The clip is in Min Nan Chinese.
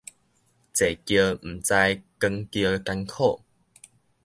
坐轎毋知扛轎艱苦